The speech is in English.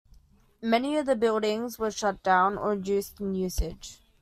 Many of the buildings were shut down or reduced in usage.